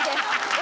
え！